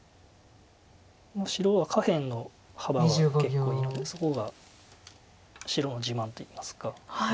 白は下辺の幅は結構いいのでそこが白の自慢といいますか。